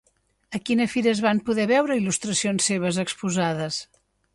A quina fira es van poder veure il·luestracions seves exposades?